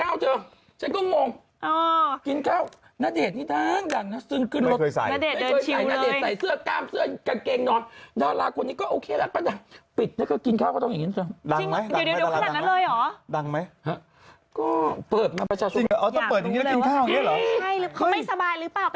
โอต้องเปิดจังงนี้แล้วกินข้าวอย่างเนี้ยเหรอ